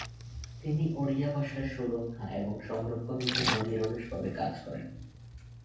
তিনি ওড়িয়া ভাষার সুরক্ষা এবং সংরক্ষণের জন্য নিরলসভাবে কাজ করেন।